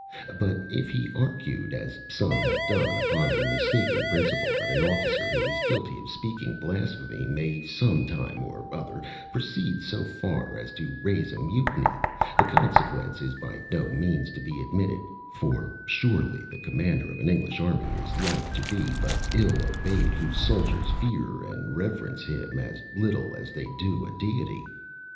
But if he argued, as some have done, upon a mistaken principle, that an officer who is guilty of speaking blasphemy may, some time or other, proceed so far as to raise a mutiny, the consequence is by no means to be admitted: for surely the commander of an English army is like to be but ill obeyed whose soldiers fear and reverence him as little as they do a Deity.